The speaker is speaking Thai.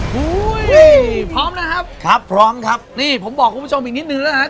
อุ้ยพร้อมนะครับครับพร้อมครับนี่ผมบอกคุณผู้ชมอีกนิดนึงแล้วนะครับ